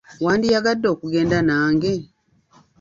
Wandiyagadde okugenda nange?